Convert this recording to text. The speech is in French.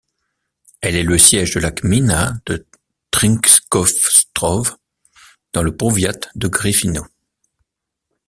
Elle est le siège de la gmina de Trzcińsko-Zdrój, dans le powiat de Gryfino.